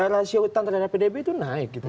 rasio utang terhadap pdb itu naik gitu